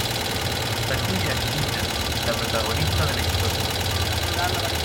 Sakuya Shiina: La protagonista de la historia.